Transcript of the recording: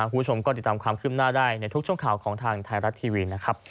คุณผู้ชมก็ติดตามความคืบหน้าได้ในทุกช่วงข่าวของทางไทยรัฐทีวีนะครับ